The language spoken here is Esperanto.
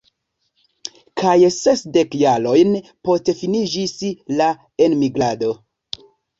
Kaj sesdek jarojn poste finiĝis la enmigrado.